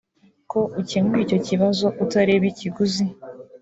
ko ukemura icyo kibazo atareba ikiguzi